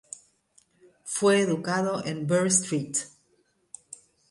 Fue educado en Bury St.